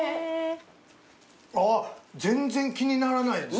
あっ全然気にならないです。